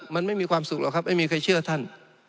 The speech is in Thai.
มันไม่มีความสุขหรอกครับไม่มีใครเชื่อท่าน